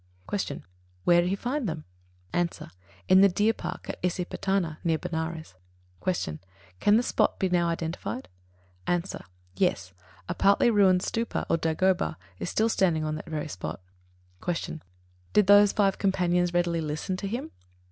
69. Q. Where did he find them? A. In the deer park at Isipatana, near Benares. 70. Q. Can the spot be now identified? A. Yes, a partly ruined stūpa, or dagoba, is still standing on that very spot. 71. Q. _Did those five companions readily listen to him?